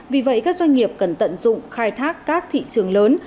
vì vậy các doanh nghiệp cần tận dụng khai thác các thị trường lớn